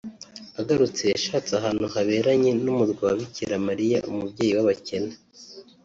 Agarutse yashatse ahantu haberanye n’umurwa wa Bikira Mariya Umubyeyi w’abakene